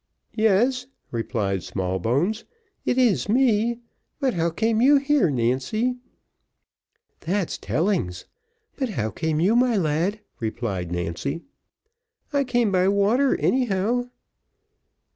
"Yes," replied Smallbones, it is me; "but how came you here, Nancy?" "That's tellings, but how came you, my lad?" replied Nancy. "I came by water anyhow."